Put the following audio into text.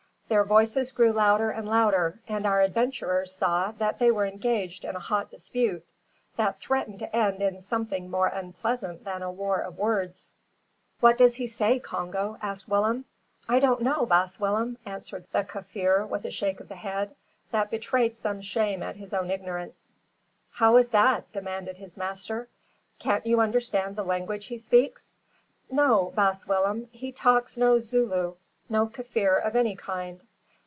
Their voices grew louder and louder; and our adventurers saw that they were engaged in a hot dispute, that threatened to end in something more unpleasant than a war of words. "What does he say, Congo," asked Willem. "I don't know, baas Willem," answered the Kaffir with a shake of the head, that betrayed some shame at his own ignorance. "How is that?" demanded his master. "Can't you understand the language he speaks?" "No, baas Willem, he talks no Zooloo, no Kaffir of any kind."